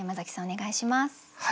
お願いします。